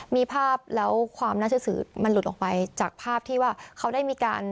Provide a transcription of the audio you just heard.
มีภาพแล้วความน่าเชื่อสื่อมันหลุดออกไปจากภาพที่ว่าเขาได้มีการ